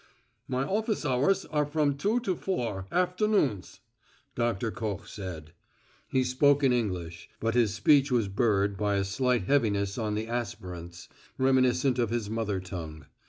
"My office hours are from two to four, afternoons," Doctor Koch said. He spoke in English, but his speech was burred by a slight heaviness on the aspirants, reminiscent of his mother tongue.